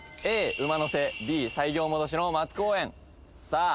Ａ馬の背Ｂ西行戻しの松公園さあ